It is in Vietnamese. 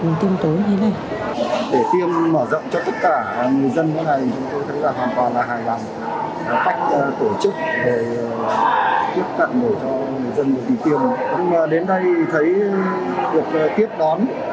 chúng tôi thấy rằng là người dân rất là vui và khấn khởi khi được tham gia tiêm chủng